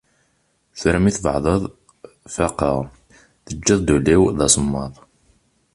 Tura mi tbeɛdeḍ feqqeɣ, teǧǧiḍ-d ul-iw d asemmaḍ.